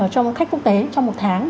trong khách quốc tế trong một tháng